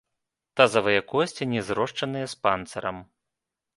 Тазавыя косці не зрошчаныя з панцырам.